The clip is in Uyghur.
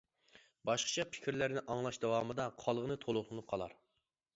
باشقىچە پىكىرلەرنى ئاڭلاش داۋامىدا قالغىنى تولۇقلىنىپ قالار.